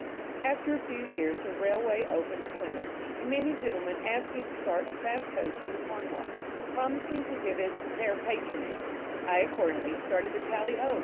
After a few years, the railway opened to Plymouth, and many gentlemen asked me to start a fast coach into Cornwall, promising to give it their patronage; I accordingly started the "Tally Ho!"